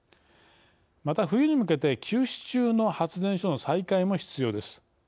また、冬に向けて休止中の発電所の再開も必要です。